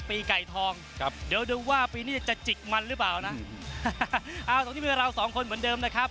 ปีไก่ทองครับเดี๋ยวดูว่าปีนี้จะจิกมันหรือเปล่านะเอาตรงนี้ไปกับเราสองคนเหมือนเดิมนะครับ